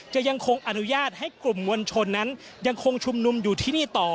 ยังคงอนุญาตให้กลุ่มมวลชนนั้นยังคงชุมนุมอยู่ที่นี่ต่อ